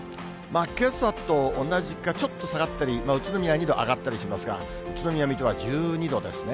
けさと同じか、ちょっと下がったり、宇都宮２度上がったりしますが、宇都宮、水戸は１２度ですね。